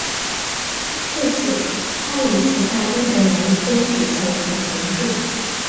自此他与其他英格兰天主教徒同住。